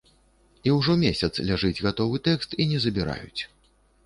І ўжо месяц ляжыць гатовы тэкст, і не забіраюць.